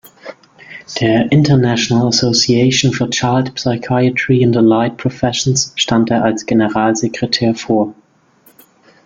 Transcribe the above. Der "International Association for Child Psychiatry and Allied Professions" stand er als Generalsekretär vor.